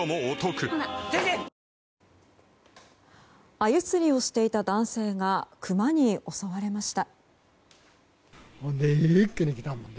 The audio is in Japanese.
アユ釣りをしていた男性がクマに襲われました。